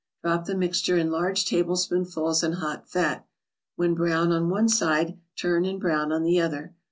Drop the mixture in large tablespoonfuls in hot fat. When brown on one side, turn and brown on the other.